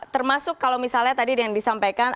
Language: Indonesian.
termasuk kalau misalnya tadi yang disampaikan